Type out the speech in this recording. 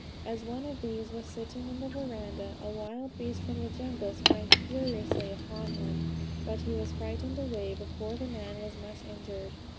As one of these was sitting in the verandah, a wild beast from the jungle sprang furiously upon him, but he was frightened away before the man was much injured.